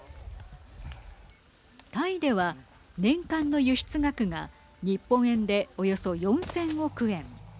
タイでは、年間の輸出額が日本円で、およそ４０００億円。